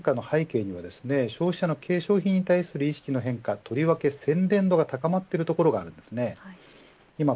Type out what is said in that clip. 実は、こういった変化の背景には消費者の化粧品に対する意識の変化とりわけ宣伝度が高まっているところがあります。